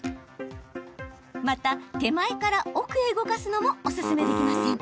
また、手前から奥へ動かすのもおすすめできません。